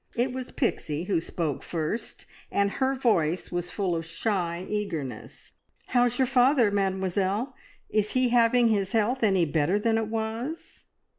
It was Pixie who spoke first, and her voice was full of shy eagerness. "How's your father, Mademoiselle? Is he having his health any better than it was?"